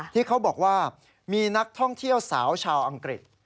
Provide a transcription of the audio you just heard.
ที่เขาบอกว่ามีนักท่องเที่ยวสาวชาวอังกฤษ